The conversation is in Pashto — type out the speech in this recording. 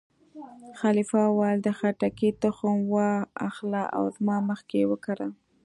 خلیفه وویل: د خټکي تخم وا اخله او زما مخکې یې وکره.